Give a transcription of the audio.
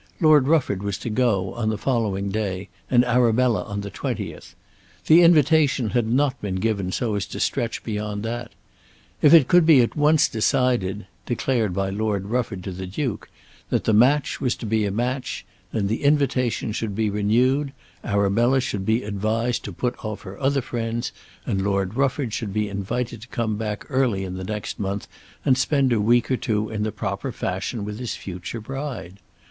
Lord Rufford was to go on the following day, and Arabella on the 20th. The invitation had not been given so as to stretch beyond that. If it could be at once decided, declared by Lord Rufford to the Duke, that the match was to be a match, then the invitation should be renewed, Arabella should be advised to put off her other friends, and Lord Rufford should be invited to come back early in the next month and spend a week or two in the proper fashion with his future bride.